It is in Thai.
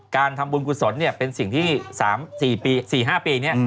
การทำบุญกุศลเนี่ยเป็นสิ่งที่สามสี่ปีสี่ห้าปีเนี่ย